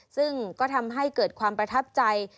ซึ่งก็ทำให้เกิดความประทับใจ